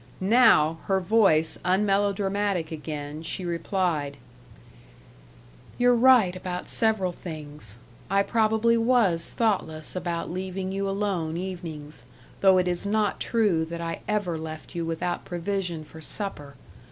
Now, her voice unmelodramatic again, she replied: "You're right about several things. I probably was thoughtless about leaving you alone evenings though it is not true that I ever left you without provision for supper.